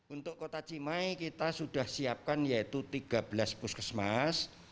untuk kota cimai kita sudah siapkan yaitu tiga belas puskesmas